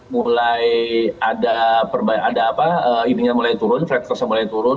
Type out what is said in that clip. mulai ada perbaikan freight cost nya mulai turun